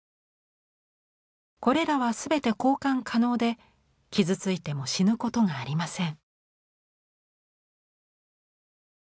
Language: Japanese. これらは全て交換可能で傷ついても死ぬことがありません。